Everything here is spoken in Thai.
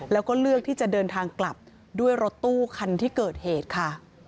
แล้วก็เลือกที่จะเดินทางกลับด้วยรถตู้คันที่เกิดเหตุค่ะ